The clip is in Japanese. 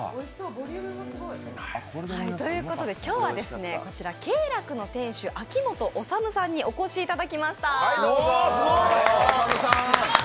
今日はこちらｋｅｉ楽の店主秋元修さんにお越しいただきました。